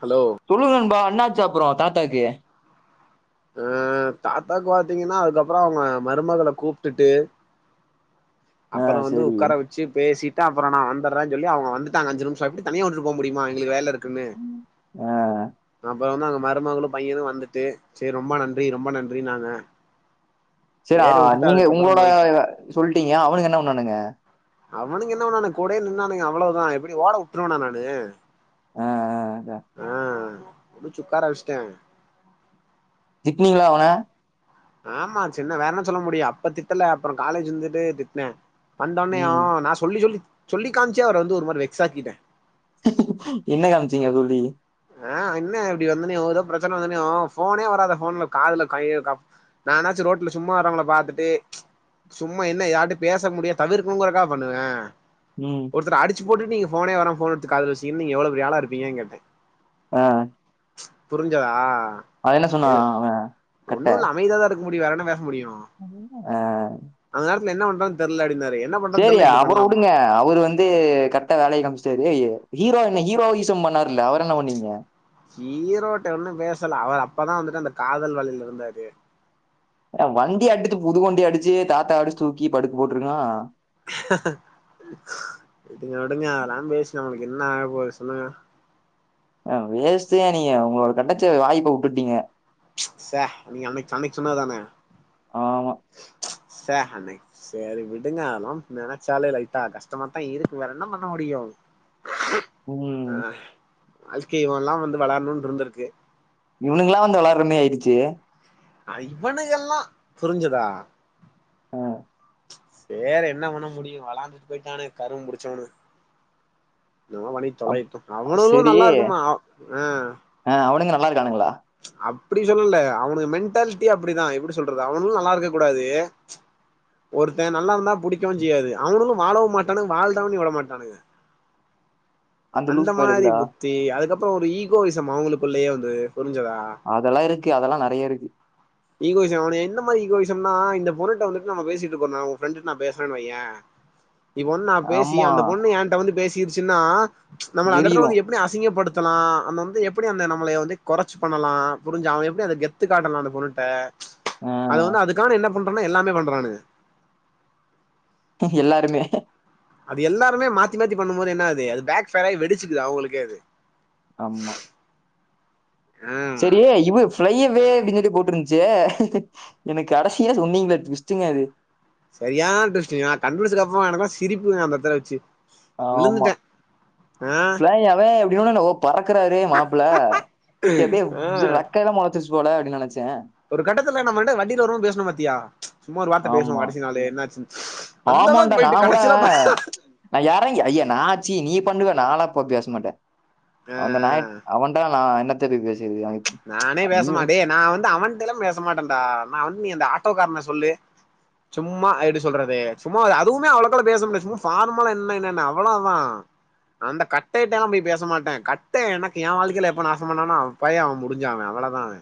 Hello சொல்லுங்க நண்பா அண்ணாச்சு அப்பறோ தாத்தாக்கு அஹ் தாத்தாவுக்கு பாத்தீங்கன்னா அதுக்கப்புறோ அவங்க மருமகள கூப்டுட்டு ஆ அப்பறோ வந்து சேரி உக்காரவெச் சி பேசிட்டு அப்புறோ நான் வந்துரே சொல்லி அவுங்க வந்துட்டாங்க அஞ்சு நிமிஷோ எப்டி தனியா உட்டுட்டு போக முடியுமா எங்களுக்கு வேலை இருக்குன்னு ஆ அப்றோ வந்து அவங்க மருமங்களு பையனு வந்துட்டு செரி ரொம்ப நன்றி ரொம்ப நன்றின்னாங்க சரி நீங்க உங்களோட போயிட்டோ சொல்டீங்க அவனுங்க என்ன பண்ணானுங்க அவனுங்க என்ன பண்ணான்க கூடவே நின்னானுங்க அவ்ளோதான் எப்டி ஓட விற்றுவன நானு ஆ ஆ அதா அஹ்ன் புடிச்சு உட்கார வச்ட்டே திட்னீங்களா அவள ஆமா சின்ன வேற என்ன சொல்ல முடியு அப்ப திட்டல அப்புறோ காலேஜ் இருந்துட்டு திட்னே அந்த [unintelligible] ம் நான் சொல்லி சொல்லி சொல்லி காமிச்சி அவள வந்து ஒரு மாரி வெக்ஸ்சாக்கிட்ட என்ன காம்ச்சீங்க அதோடி அஹ்ன் இன்ன இப்டி வந்தனெயு ஏதோ பிரச்சனை வந்தொன்னையு போனே வராத போன்ல காதுல கைய நனாச்சு ரோட்ல சும்மா வர்றவங்களை பாத்துட்டு சும்மா என்ன யார்ட்டையு பேச முடிய தவிர்க்கணுங்கிறக்கா பண்ணுவே உம் ஒருத்தர அடிச்சி போட்டு நீங்க ஃபோனே வேனா ஃபோன் எடுத்து காதுல வச்சிட் நீங்க எவ்ளோ பெரியாழ இருப்பீங்கனு கேட்டே ஆஹ்ன் புரிஞ்சிதா என்ன சொன்னா எது அவ ஒண்ணு இல்ல அமைதியாதா இருக்க முடியு வேற என்ன பேச முடியு அஹ் அந்த நேரத்ல என்ன பண்றது தெர்ல அப்டினார் செரி அவறவுடுங்க அவரு வந் து கரெக்டா வேலையை காமிச்சிட்டாரு ஹீரோ என்ன ஹீரோ ஈசம் பண்ணாருல அவர் என்ன பண்ணீங்க ஹீரோட்ட ஒன்னு பேசல அவர் அப்பதா வந்துட்டு அந்த காதல் வலையில இருந்தாரு ஏ வண்டி அடித்து புது வண்டி அடிச்சு தாத்தா அடிச்சு தூக்கி படுக்க போட்ருக்கான் விடுங்க விடுங்க அதெல்லா பேசி நமக்கு என்ன ஆக போது சொல்லுங்க வேஷ்ட்யா நீங்க உங்களோட கெடச்ச வாய்ப்பே விட்டுட்டீங்க நீங்க அன்னைக்கு சொன்னது தானே ஆமா அன்னைக் செரி விடுங்க அத்லான் நெனச்சாலே லைட்டா கஷ்டமாத்தா இருக்கு வேற என்ன பண்ண முடியு ம் அஹ் வாழ்கை இவன்லா வந்து விளாட்னுன்னு இருந்திருக்கு இவனுங்கலா வெளாட்ற மாரி ஆய்டுச்சு அஹ் இவனுங்களா புரிஞ்சிதா அஹ்ன் வேற என்ன பண்ண முடியு வெளான்டுட்டு போய்ட்டானே கருமம் புடிச்சனுவோ என்னவோ பண்ணி அம் தொலையட்டு அவனுலு நல்லா இருக்குமா அஹ்ன் அஹ்ன் அவனுங்க நல்லா இருக்கானுங்களா அப்டி சொல்லல அவனுக மென்டாலிட்டி அப்டிதான் எப்படி சொல்றது அவுனுளு நல்லா இருக்க கூடாது ஒருத்தன் நல்லா இருந்தா புடிக்கவு செய்யாது அவனுளு வாழவு மாட்டானு வாழ்றவனையு விட மாட்டானுக [unintelligible] அந்த லூஸ் மாரி பயலுகளா புத்தி அதுக்கப்புறோ ஒரு ஈகோவிசம் அவங்களுக்குள்ளயே வந்து புரிஞ்சிதா அதெல்லா இருக்கு அதெல்லா நறைய இருக்கு ஈகோயிசம் என்ன மாதி ஈகோயிஷம்னா இந்த பொண்ணுட்ட வந்துட்டு நம் பேசிட்டு இருக்கோனா ஓ ஃபிரண்டுட்ட பேசுறே வையே நீ ஒன்னா பேசி ஆமா அந்த பொண்ணு ஏன்ட்ட வந்து பேசிடுச்னா நம்மள அந்த இடத்ல எரியிரு வந்து எப் டி அசிங்கப்படுத்தலா அந்த வந்து எப்படி அந்த நம்மளை வந்து குறைச் பண்ணலா புரிஞ்சா அவன் எப்டி அந்த கெத்து காட்டலா அந்த பொண்ணுட் ட [unintelligible] அதுக்கான என்ன பண்றன எல்லாமே பண்றானுக எல்லாருமே அது எல்லாருமே மாத்தி மாத்தி பண்ணு போது என்னாகுது அது பேக் ஃபையர் வெடிச்சுது அவுங்களுக்கே அது ஆமா ஆ செரி இவ்ஃப் ஃப்ளையவே அப்பிடினு சொல்லி போட்டுருன்ச்சே எனக்கு கடசியில சொன்னிகலே டுவிஸ்டுங்க அது செரியானா டிவிஸ்டுங்க நா கண்புடுசதுகப்பறமா எனகூட சிரிப்புங்க அந்த எடத்துல வெச்சு ஆமா ஃப்ளையவே அப்டினவுடனே ஓ பறக்குறாரு மாப்பிள எப்டியே ஆ இது ரக்க எல்லா மொளச்சச்சு போல அப்டின்னு நெனைச்சே ஒரு கட்டத்துல நம்ம ரெண்டு பேரு வண்டியில வரு போது பேசுணோ பாத்தியா சும்மா ஒரு வார்த்தை பேசுவோ கடசி நாளு என்ன ஆச்சு ஆமாடா நா கூட நா எறங்கி ஐய நா ச்சீ நீ பண்ணுவ நானா போப் பேச மாட்டே அந்த நாய்ட் ஆஹ், அவன்டா நா என்னத்த போய் பேசிருக அவ நானே பேச மாட் டே நா வந்து அவன்டேல்லா பேசமாட்டேன்டா நா வந்து நீ அந்த ஆட்டோ காரனை சொல்லு சும்மா எப்டி சொல்றது சும்மா ஒரு அதுவுமே அவ்வளவுக்கல பேச முடியாது சும்மா ஃபார்மல என்ன என்னன்ன அவ்வளோதா அந்த கட்டை கிட்ட எல்லா போய் பேச மாட்டே கட்டைய எனக்கு எ வாழ்கையில எப்ப நாசம் பண்ணானோ அபையே அவ முடிஞ்சா அவ அவ்ளோதா அவே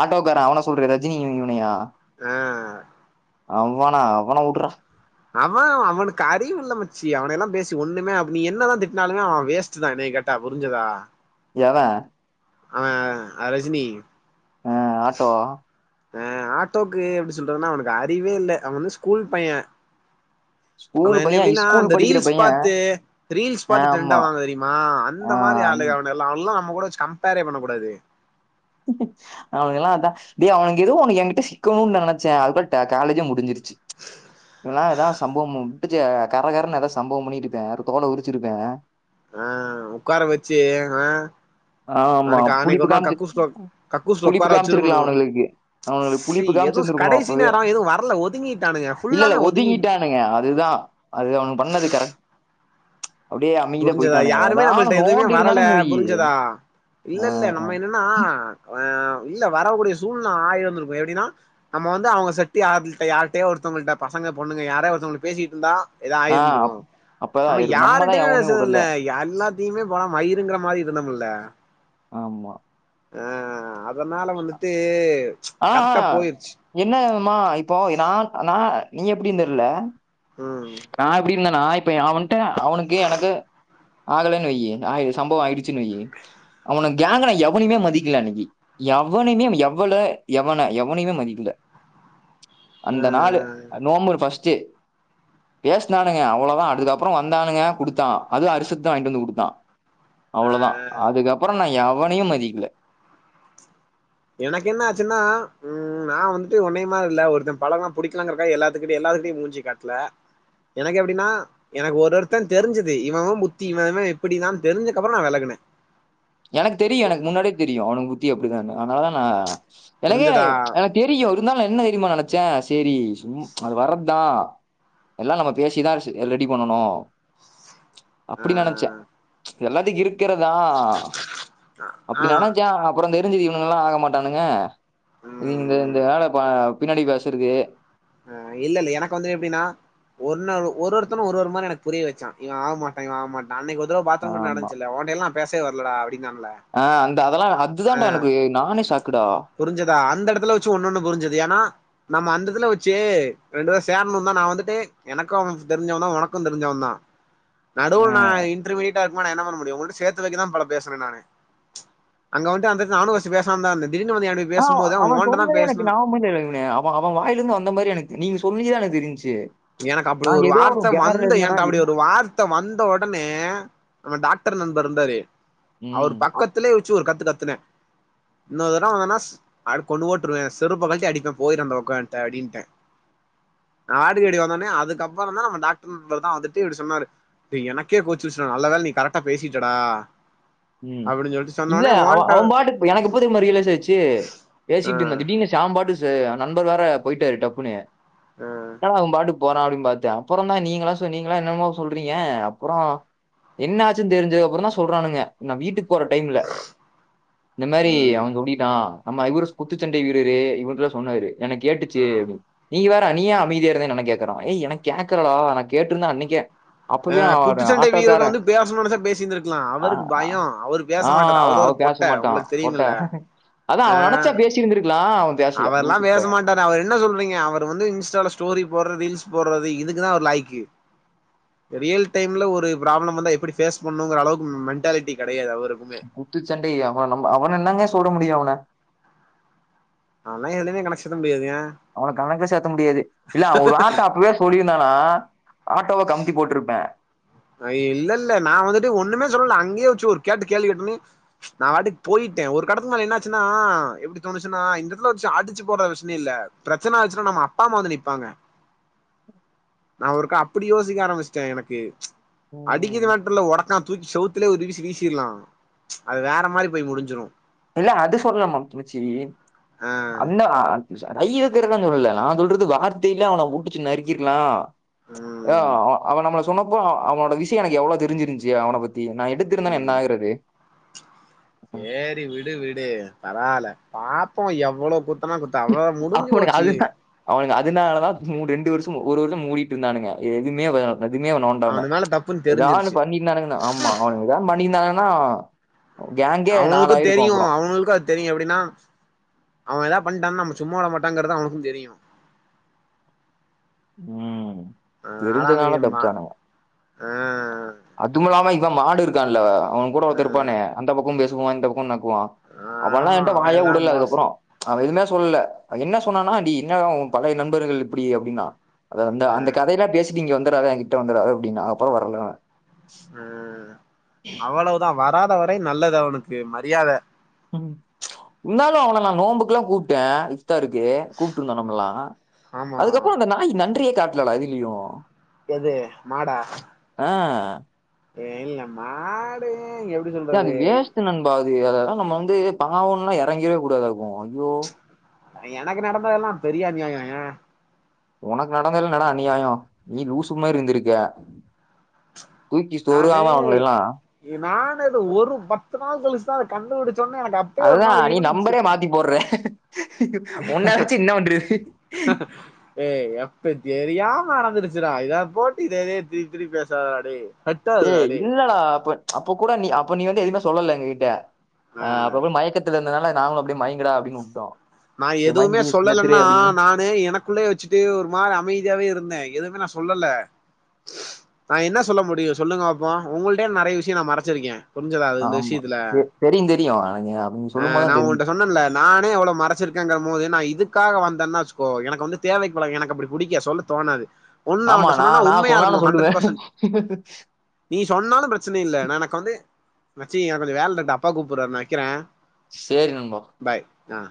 ஆட்டோக்கார அவன சொல்றே ரஜினி இவனையா ஆ அவனா அவனா வுட்றா அவ அவனுக்கு அறிவில்ல மச்சி அவனை எல்லா பேசி ஒண்ணுமே அப்ப நீ என்னதா திட்டினாலுமே அவ வேஸ் ச்சுதா எனையக் கேட்டா புரிஞ்சதா எவ அவ ரஜினி ஆ ஆட்டோ ஆ ஆட்டோக்கு எப்டி சொல்றதுன்னா அவனுக்கு அறிவே இல்ல அவ வந்து ஸ்கூல் பைய அவ ஸ்கூல் என்ன பையன் எப்டின்னா ஸ்கூல் அந்த படிக்கிற ரீல்ஸ் பையன் பாத்து ரீல்ஸ் ஆஹ் பாத்து ட்ரெண்டா ஆமா வாங்க தெரியுமா அந்த இந்த மாரி ஆஹ் ஆளுகவனுகல்லா அவெல்லா நம்ம கூட வெச்சு கம்பேர்ரே பண்ண கூடாது அவனு எல்லா அதான் டேய் அவனுங்க எதோ ஒண்ணு எனங்கிட்ட சிக்கணுனு நா நெனைச்சே அதுக்குள்ள காலேஜே முடிஞ்சிருச் சசு இதல்லா ஏதா சம்பமவோ ச்ச கர கரன்னு ஏதாது சம்பவம் பண்ணிட்டிருப்பே ஒரு தோல உரிச்சிருப்பே ஆ உக்கார வெச்சு ஆ ஆமா அனைக்கி அன்னைக்கி புளிப்பு ஒரு நாள் காமிச்சு கக்கூஸ்குள்ள கக்கூஸ்ல புளிப்பு உக்கார வச்சிருக்கணு காமிச்சிருக்கலாம் அவனுங்களுக்கு அவனுங்களுக்கு செரி புளிப்பு எதுவு காமிச்சிருந்துருக்கணும் கடைசி அப்பவே நேரோ எதுவு வரல ஒதுங்கிட்டானுங்க ஃபுல்லாமே ஒதுங்கி ட்டாங்க அதுதா அது அவனுக பண்ணது கரெக் புரிஞ்சதா யாருமே நம்மள்ட்ட எதுவுமே நோண்டி வரல இருந்தானுங்க வையி புரிஞ்சதா இல்ல இல்ல நம்ம என்னன் ம் ஆ அஹ் இல்ல வரக்கூடிய சூழ்நில ஆயிருதிருக்கும் எப்டின்னா நம்ம வந்து அவங்க சேட் யார்கிட்ட யாருட்டயோ ஒருத்தங்களிட்ட பசங்க பொண்ணுங்க யாரே ஒருத்தவங்களுக்கு பேசிட்டு இருந்தா ஏதா ஆ ஆயிருந்திருக்கு அப் அப்பதா ஆயிருக்கு நம்மதா எவனையு வுடல ! ! ! ! ! ! ! ! ! ! ஆமா அஹ் அதனால வந்துட்டு கரெக்டா போயிருச்சு என்னமா இப்போ நான் நா நீ எப்டின்னு தெர்ல ம் நா இப்டி இருந்தனா இப்ப அவனிட்ட அவனுக்கு எனக்கு ஆகலன்னு வையி ஆ சம்பவோ ஆயிடுச்சுன்னு வையீ அவன கேங்க்ன எவனுமே மதிக்கல அன்னைக்கி எவனுமே எவ்வள எவனை எவனையுமே மதிக்கல ஆ அந்த நாள் நொவம்பர் ஃபஸ்ட் பேசினானுங்க அவ்ளவுதா அதுக்கப்புறோ வந்தானுங்க குடுத்தா அது ஹர்ஸத் தா வாங்கிட்டு வந்து குடுத்தா ஆ அவ்ளவுதா ஆ அதுக்கப்புறோ நா எவனையு மதிக்கல எனக்கு என்ன ஆச்சுன்னா ம் நா வந்துட்டு ஒன்னய மாரி இல்ல ஒருத்த பழகன புடிகலங்கறகாக எல்லாத்துக்கிட்டையு எல்லாத்துக்கிட்டையு மூஞ்சிய காட் ட்ல எனக்கு எப்டின்னா எனக்கு ஒரு ஒருத்த தெரிஞ்சுது இவனு புத்தி இவஇவ இப்டிதான் தெரிஞ்சக்க அப்றோ நா வெலகுனே எனக்குத் தெரியு எனக்கு முன்னாடியே தெரியு அவனுக புத்தி அப்டிதானு அதனால தா நா எனக்கே புரிஞ்சதா எனக்கு எனக் தெரியு இருந்தாலு என்ன தெரிமா நெனைச்சே செரி சும் அது வர்றத்தா எல்லா நம்ம பேசிதா ஸ் ரெடி பண்ணணூ ஆ அப்டி நெனைச்சே எல்லாத்துக் இருக்கிறதா ஆ அப்டி நெனச்சே அப்றோ தெரிஞ்சுது இவனுங்கல்லா ஆகமாட்டானுங்க இந்த ம் இந்த வேல பா பின்னாடி பேசுறது ஆ இல்ல்ல எனக்கு வந்து எப்டின்னா ஒன்னு ஒரு ஒருத்தனு ஒரு ஒரு மாரி எனக்கு புரிய வச்சா இவ ஆவமாட்டா இவ ஆவமாட்டான் அன்னைக்கு த்ர பாத்ரூம்ல ஆமா. நடந்ச்சில உன்ட்டலா நா பேசவே வர்லடா அப்டின்னால ஆ அந்த அதெல்லா அது தான்டா எனக்கு நானே ஷாக்குடா புரிஞ்சதா அந்த எடத்துல வச்சு ஒன்னொன்னு புரிஞ்சுது ஏனா நம்ம அந்ததுல வச்சு ரெண்டு பேரு சேர்ணுந்தா நா வந்துட்டு எனக்கூ அவ தெரிஞ்சவந்தா உனக்கூ தெரிஞ்சவந்தா அ. நடுவுல் நா இன்ர்மியிட்டா இருக்னு நா பண்ணமுடியு உன்ள்ட்ட சேத்து வெக்க தா பல பேசுனே நானு அங்க வந்ட்டு அந்த நானு ஃபஸ்டு பேசாந்தாந்தே திடீனு வந்து என்ட்டு ஆ அவ சொன்னதே எனக்கு ஞாபமே [unintelligible] போனே அவ வாயிலேந்து வந்த மாரி எனக்கு நீங்க சொல்லிதா எனக்கு தெரிந்த்ச்சு எனக்கு அப்டி ஒரு வார்த்த வந்து என்ட்ட அப்டி என்ன ஒரு வார்த் த வந்த ஒடனே டாக்டர் நண்பர் இருந்தாரு அவர் ம். பக்கத் திலே வச்சு ஒரு கத்து கத்துனே இன்னொரு தரவ என்னா ஸ் ! ! ! ! ! ! ! ! ! ! திகிடி வந்தோன்னே அதுக்கப்றந்தா நம்ம டாக்டரு தா வந்துட்டு இப்டி சொன்னாரு அ எனக்கே கோச்சிருச்சுடா நல்ல வேல நீ கரெக்டா பேசிட்டடா ம் அப்டின்னு சொல்லிட்டு இல்ல சொன்னோனே அவ ஓன்ட்ட அவ பாட்டுக் எனக்கு எப்ப தெரிமா ரியலைஸ் ஆச்சு ஆ பேசிட்டுந்தே திடீர்னு சாம் பாட்டு ச நண்பர் வேற போயிட்டாரு டப்புனு ஆ என்னடா அவ பாட்டுக்கு போறா அப்டின் பாத்தே ப்றோந்தா நீங்கலா சொன்னீங்ல என்னன்னமோ சொல்றீங்க அப்றோ என்னாச்சு தெரிஞ்சதுக்கப்றோந்தா சொல்றானுங்க நா வீட்டுக்கு போற டைம்ல இந்த மாரி ம் அவ சொல்லிட்டா ஆமா இவரு குத்துச்சண்டை வீரரு இவருட்ட சொன்னாரு எனக்கு கேட்டுச்சு ஆ நீங்க வேற நீ ஏ அமைதியா இருந்தேன் என்ன கேக்குறா ஏய் எனக்கு கேக்கலடா நான்கேட்டிருந்தா அன்னைக்கே அ அப்பவே குத்துச் அவன் சண்டை வீரர் ஆட்டோக்காரன் வந்து பேசணூந்தா பேசிந்திருக்கலா அவரு ஆ அவ பேச மாட்டா உங்களுக்கு தெரியுமில்ல அதா [unintelligible] அவ நெனைச்சா பேசி டி இருந்திருக்லா அவெல்லா பேசமாட் டா அவர் என்ன சொல்றீங்க அவர் வந்து இன்ஸ்டால ஸ்டோரி போடுறது ரீல்ஸ் போடுறது இதுக்குதா அவரு லாயிக்கு ரியல் டைம்ல ஒரு ப்ராப்ளம் வந்தா எப்டி ஃபேஸ் பண்ணூஙீகிற அளவுக்கு மென்டாலிட்டி கெடையாது அவருக் குத்துச்சண்டை அவ நம்ம அவன என்னங்கே சொல்ல முடியு அவன அதெல்லாம் எதுலயுமே கணக்கு சேர்த்த முடியாதுங்க அவன கணக்குல சேக்க முடியாது இல்ல அவ ஒரு வார்த்த அப்பவே ஸ் சொல்லிருந்தானா ஆட்டோவ கம்த்தி போட்ருப்பே அ இல்லல்ல நா வந்துட்டு ஒன்னுமே சொல்லல அங்கேயே வச்சு ஒரு கேட்டு கேள்வி கேட்டனே நா பாட்டுக்கு போயிட்டே ஒரு கட்டத்துக்கு மேல் என்னாச்சுன்னா எப்டி தோணுச்சுன்னா இந்த எடத்துல வச்சி அடிச்சு போடுற விஷ்யமில்ல ப்ரச்சன ஆச்சுன்னா நம்ம அப்பாம்மா வந்து நிப்பாங்க நா ஒருக்கா அப்பிடி யோசிக்க ஆரம்பிச்சிட்டே எனக்கு அடிக்குது மேட்டர்ல ஒடச்சக தூக்கி செவுத்துலயே ஒரு வீசி வீசிர்லா அது வேற மாரி போய் முடிஞ்சிடு இல்ல அது சொல்லல மாம் துணிச்சி ஆ அந்த ரை இருக்கற்தா சொல்லல நா சொல்றது வார்த்தையில அவன புடிச்சு நறுக்கிர்லா ஆ ம் அவ நம்மள சொன்னப்போ அவனோட விஷ்யோ எனக்கு எவ்ளோ தெரிஞ்சிருந்ச்சி அவன பத் தி நா எடுத்திருந்தேன்னா என்ன ம் ஆகுறது சேரி விடு விடு பரவால பாப்போ எவ்ளோ குத் துனா குத்த அவ முடிஞ்சு போச்சு அவனுங்க அதுனாலதா ரெண்டு வருஷ ஒரு வருஷ மூடிட்டு இருந்தானுங்க எதுமே எதுமே என்ன பண்ண அவனு மேல தப்புன்னு எதாது தெரிஞ்சிருச்சு பண்ணிருந்தானுங்கனா ஆமா எதாது பண்ணிருந்தானுங்கனா அவங்களுக்கு தெரியு அவங்களுக்கா தெரியு எப்படின்னா அவங்க ஏதா பண்ணிட்டா நம்ம சும்மா விட மாட்டோங்குறது அவனுக்கு தெரியு ம் ஆ தெரிஞ்சனால ஆறாமையு மா தப்பிச்சானுங்க ஆ அதுவு இல்லாம இவன் மாடு இருக்கான்ல்ல அவன் கூட ஆ ஒருத்த இருப்பானே அந்த பக்க பேசுவா இந்த பக்க நக்குவா அவன்ல்லா ஆமா என்ட வாயே அவன்லா உடல மோஸ் அதுக்கப்பற அவன் எதுமே சொல்லல என்ன சொன்னான்னா அடி என்ன பழைய நண்பர்கள் இப்டி அப்டின்னா அது அந்த ஆ அந்த கதையல்லா பேசிட்டு இங்க வந்துடாத என் கிட்ட வந்துடாத அப்படின்ன அப்பற வரல ம் அவ்ளோதா வராத வரை நல்லது அவனுக்கு மரியாத ம் உன்னால அவன நா நோன்புக்ல்லா கூப்ட்ட இப்தாருக்கு கூப்ட்டுருந்தோ நம்மல்லா ஆமா அதுக்கப்பற அந்த நாய் நன்றியே காட்டலடா எதுலயு எது மாடா ஆ ஏ இல்ல மாடு எவ எ அது வேஸ்டு நண்பா அது அதலா நம்ம வந்து பாவன்ல்லா இறங்கிறவே கூடாது ஐயோ எனக்கு நடந்ததெல்லா பெரிய அநியாய உனக்கு நடந்ததுல்ல என்னடா அநியாய நீ லூசு மாரி இருந்திருக்க தூக்கி நானு சொருகாம அவங்கள எல்லாம் நான் அது ஒரு பத்து நாள் கழிச்சுதா அதை கண்டுபிடிச்சோடனே எனக்கு அப்ப அதா நீ நம்பர மாத்தி போட்ற ஒன்ன வச்சு என்ன பண்றது ஏ எப்ப தெரியாம நடந்துருச்சிடா இத போட்டு திரு திருப்பி பேசாதடா டே ஏ இல்லடா அப்ப அப்ப கூட நீ அப்ப நீ வந்து எதுமே சொல்லல எங்க கிட்ட அ ஆ அப்போ மயக்கத்துல இருந்தனால நாங்களு அப்படியே மயங்குடா அப்படின்னு உட்டோ நான் எதுவுமே சொல்லலன்னா நா எனக்குள்ளே வச்சுட்டு ஒரு மாரி அமைதியாவே இருந்த எதுமே நா சொல்லல நா என்ன சொல்ல முடியு சொல்லுங்க பாப்போ உங்கள்ட நெறைய விஷய நா மறச்சிருக்கே புரிஞ்சுதா இந்த ஆமா விஷயத்துல தெ- தெரியும் தெரியும் எனக்கு அப்படி நீ ஆ சொல்லும் நா போதுதான் தெரியும் உன்ட்ட சொன்னேன்ல நானே அவன மறக்க வச்சிருக்கங்க போது நான் இதுக்காக வந்தேன்னா வச்சுக்கோ எனக்கு வந்து தேவை க்கு பழக எனக்கு அப்படி புடிக்காது சொல்ல தோணாது ஒன்னு ஆமா அவன்ட்ட சொன்னனா நான் நான் உண்மயா சொன்னாலும் இருக்கணு ஹண்ட்ரட் சொல்லுவேன் பெர்சன்ட் நீ சொன்னாலு பிரச்சன இல்ல நனக்கு வந்து மச்சி எனக்கு கொஞ்சோ வேல இருக்குடா அப்பா கூப்ட்றாரு நா வைக்கிறே சேரி நண்பா பாய் ஆ